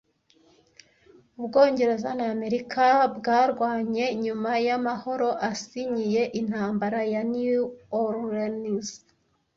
Ubwongereza na Amerika bwarwanye nyuma y'amahoro asinyiye Intambara ya New Orleans